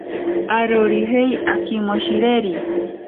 Arorijei akimoshireri.